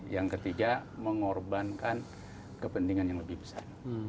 yang ketiga mengorbankan kepentingan yang lebih besar